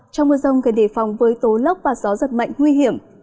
trong mưa rông cần đề phòng với tố lốc và gió giật mạnh nguy hiểm